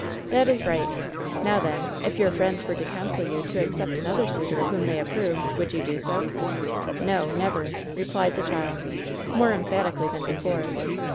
"That is right. Now, then, if your friends were to counsel you to accept another suitor whom they ap proved, would you do so?" "No, never," replied the child, more emphatically than before.